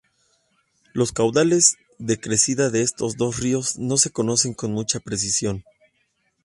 Los caudales de crecida de estos dos ríos no se conocen con mucha precisión.